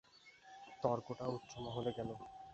তর্কটা উচ্চ মহলে গেল।